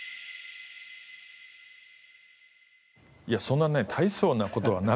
いやそんなね大層な事はなく。